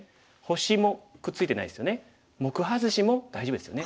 星もくっついてないですよね。